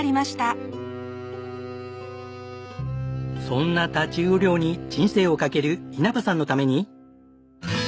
そんな太刀魚漁に人生をかける稲葉さんのために。